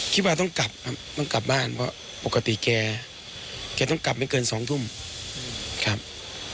คิดว่าต้องกลับครับต้องกลับบ้านเพราะปกติแกแกต้องกลับไม่เกิน๒ทุ่มครับ